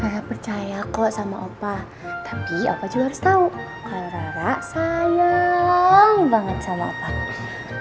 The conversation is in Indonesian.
rara percaya kok sama opa tapi opa juga harus tau kalo rara sayang banget sama si dewi